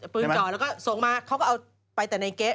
ปืนจ่อแล้วก็ส่งมาเขาก็เอาไปแต่ในเก๊